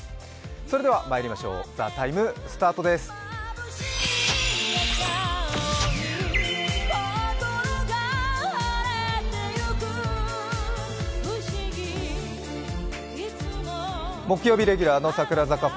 それでは「ＴＨＥＴＩＭＥ，」スタートです木曜日レギュラーの櫻坂